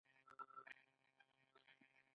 د کابل په میربچه کوټ کې د څه شي نښې دي؟